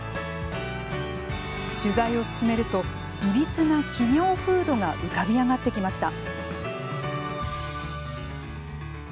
取材を進めるといびつな企業風土が浮かび上がってきました。